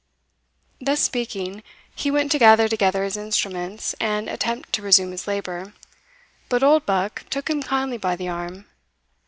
Thus speaking, he went to gather together his instruments, and attempt to resume his labour, but Oldbuck took him kindly by the arm.